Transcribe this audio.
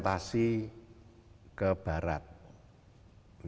pada saat ini